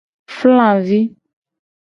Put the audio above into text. Flavi.